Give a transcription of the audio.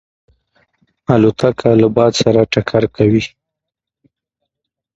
الوتکه له باد سره ټکر کوي.